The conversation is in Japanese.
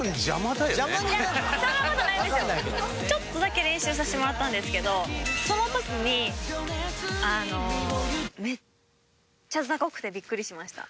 ちょっとだけ練習させてもらったんですけどその時にあのめっちゃザコくてビックリしました。